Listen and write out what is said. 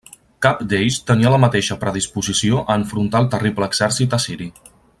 Cap d'ells tenia la mateixa predisposició a enfrontar al terrible exèrcit assiri.